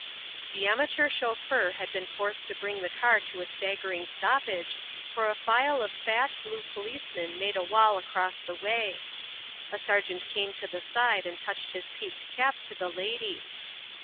The amateur chauffeur had been forced to bring the car to a staggering stoppage, for a file of fat, blue policemen made a wall across the way. A sergeant came to the side and touched his peaked cap to the lady.